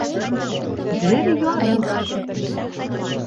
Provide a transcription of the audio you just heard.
Бер ярым